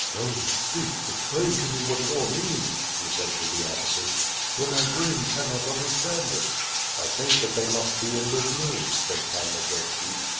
"Tell me, speak, explain to me what it all means,'* he said to the officers, "for my brain cannot understand it/' "I think that they must be in Lubni," said Pan Migurski.